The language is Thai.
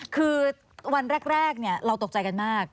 คือวันแรกเราตกใจกันมาก